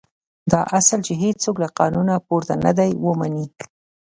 دا اصل چې هېڅوک له قانونه پورته نه دی ومني.